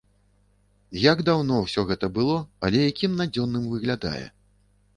Як даўно ўсё гэта было, але якім надзённым выглядае!